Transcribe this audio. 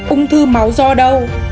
ung thư máu do đâu